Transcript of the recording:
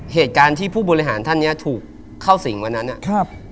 เหตุการณ์ที่ผู้บริหารท่านเนี้ยถูกเข้าสิงวันนั้นอ่ะครับ